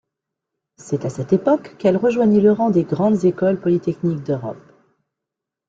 C’est à cette époque qu’elle rejoignit le rang des grandes Écoles polytechniques d’Europe.